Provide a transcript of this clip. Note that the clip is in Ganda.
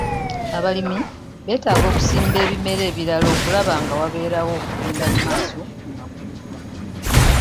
Abalimi beetaaga okusimba ebimera ebirala okulaba nga wabeerawo okugenda mu maaso mu makungula .